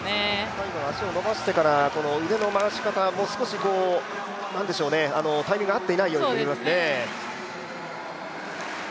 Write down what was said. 最後の足を伸ばしてから腕の回し方も少しタイミングが合っていないようにも見えますね。